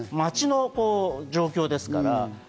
待ちの状況ですから。